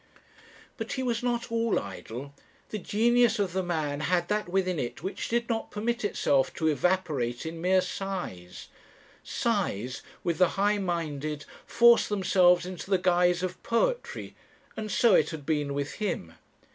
"But he was not all idle. The genius of the man had that within it which did not permit itself to evaporate in mere sighs. Sighs, with the high minded, force themselves into the guise of poetry, and so it had been with him.